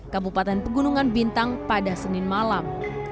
kabupaten pegunungan bintang pada senin malam